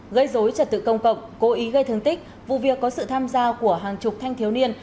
gây dối trật tự công cộng cố ý gây thương tích vụ việc có sự tham gia của hàng chục thanh thiếu niên